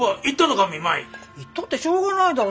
行ったってしょうがないだろ